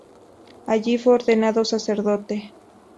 Allí fue ordenado sacerdote.